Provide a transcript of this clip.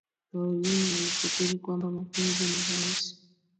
Pauline alifikiri kwamba mapenzi ni rahisi